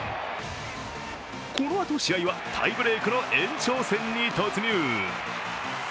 このあと試合はタイブレークの延長戦に突入。